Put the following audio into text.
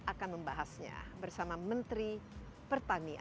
akan membahasnya bersama menteri pertanian